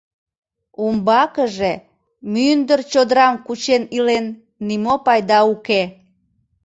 Умбакыже, мӱндыр чодырам кучен илен, нимо пайда уке.